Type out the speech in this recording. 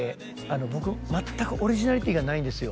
僕全くオリジナリティーがないんですよ